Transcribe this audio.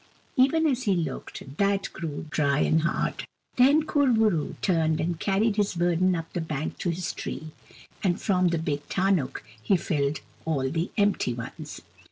Even as he looked, that grew dry and hard. Then Kur bo roo turned and carried his burden up the bank to his tree, and from the big tarnuk he filled all the empty ones.